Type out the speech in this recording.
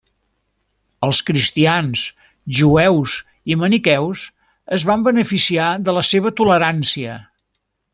Els cristians, jueus i maniqueus es van beneficiar de la seva tolerància.